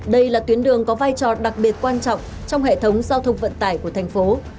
đây là tuyến đường có vai trò đặc biệt quan trọng trong hệ thống giao thông vận tải của thành phố